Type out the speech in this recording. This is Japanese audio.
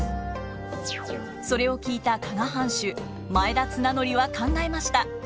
それを聞いた加賀藩主前田綱紀は考えました。